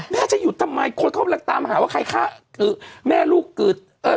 แม่จะหยุดทำไมคนเข้ามาแล้วตามหาว่าใครฆ่าคือแม่ลูกคือเอ่อ